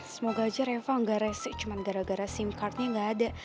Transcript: semoga aja reva gak rese cuman gara gara sim cardnya gak ada